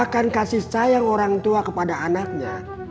bahkan kasih sayang orang tua kepada anaknya